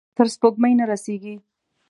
تر سپوږمۍ نه رسیږې